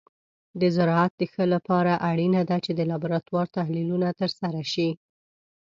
د زراعت د ښه لپاره اړینه ده چې د لابراتور تحلیلونه ترسره شي.